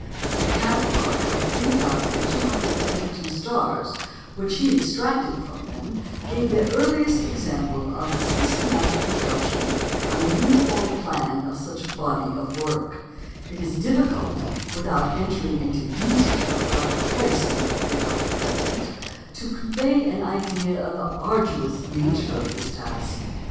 The catalogue of 3,222 stars which he extracted from them gave the earliest example of the systematic reduction on a uniform plan of such a body of work. It is difficult, without entering into details out of place in a volume like the present, to convey an idea of the arduous nature of this task.